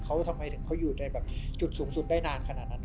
เขาทำไมถึงเขาอยู่ในแบบจุดสูงสุดได้นานขนาดนั้น